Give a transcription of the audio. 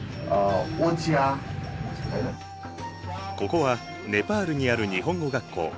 ここはネパールにある日本語学校。